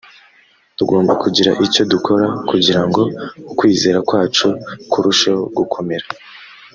tugomba kugira icyo dukora kugira ngo ukwizera kwacu kurusheho gukomera.